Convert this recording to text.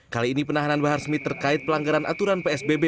kali ini penahanan bahar smith terkait pelanggaran aturan psbb